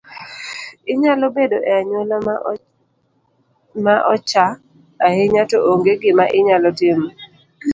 Inyalo bedo e anyuola maochaii ahinya to ong’e gima inyalo timo